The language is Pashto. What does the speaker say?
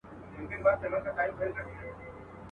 خر چي هر کله چمونه کړي د سپیو.